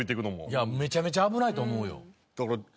いやめちゃめちゃ危ないと思うよ。